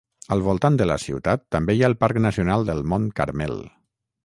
Al voltant de la ciutat també hi ha el parc nacional del mont Carmel.